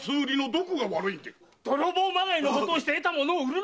泥棒まがいのことをして得た物を売るのが商いかね？